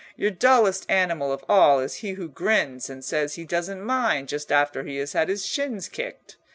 Your dullest animal of all is he who grins and says he doesn't mind just after he has had his shins kicked.